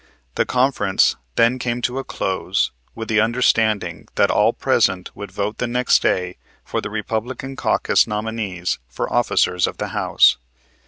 The conference then came to a close with the understanding that all present would vote the next day for the Republican caucus nominees for officers of the House.